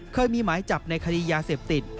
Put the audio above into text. เคยมีหมายจับในคดียาเสพติด